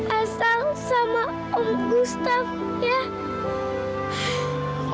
asal sama om bustaf ya